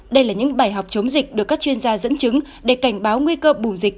đây là những bài học chống dịch được các chuyên gia dẫn chứng để cảnh báo nguy cơ bùng dịch